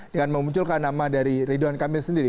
dengan memunculkan nama dari ridwan kamil sendiri